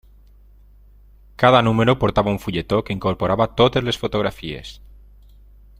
Cada número portava un fulletó que incorporava totes les fotografies.